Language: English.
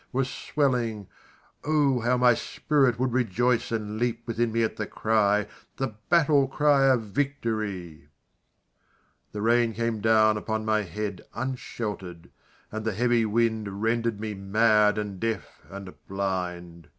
was swelling (O! how my spirit would rejoice, And leap within me at the cry) The battle cry of Victory! The rain came down upon my head Unshelter'd and the heavy wind Rendered me mad and deaf and blind.